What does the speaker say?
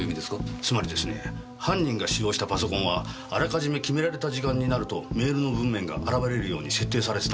つまりですね犯人が使用したパソコンはあらかじめ決められた時間になるとメールの文面が現れるように設定されてたんです。